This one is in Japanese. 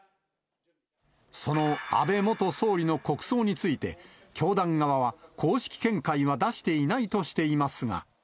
その安倍元総理の国葬について、教団側は公式見解は出していないとしていますが。